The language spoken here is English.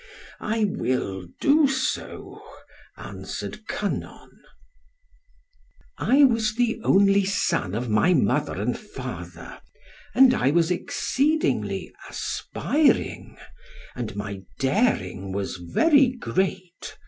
"I will do so," answered Kynon. "I was the only son of my mother and father; and I was exceedingly aspiring, and my daring was very great.